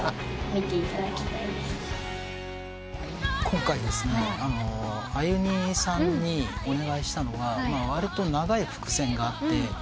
今回ですねアユニさんにお願いしたのはわりと長い伏線があって。